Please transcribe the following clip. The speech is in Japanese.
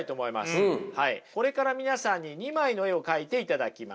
これから皆さんに２枚の絵を描いていただきます。